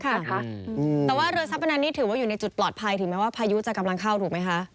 แต่ว่าเรือทรัพพนันนี่ถือว่าอยู่ในจุดปลอดภัยถึงแม้ว่าพายุจะกำลังเข้าถูกไหมคะ